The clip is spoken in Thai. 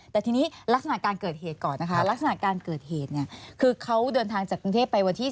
แต่ทีนี้ลักษณะการเกิดเหตุก่อนนะคะลักษณะการเกิดเหตุเนี่ยคือเขาเดินทางจากกรุงเทพไปวันที่๒